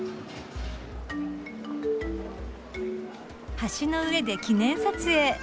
橋の上で記念撮影。